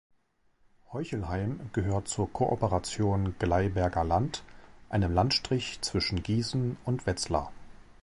Heuchelheim gehört zur Kooperation Gleiberger Land, einem Landstrich zwischen Gießen und Wetzlar.